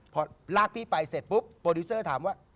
พอลากพี่ไปเสร็จปุ๊บโปรดิวเซอร์ถามว่า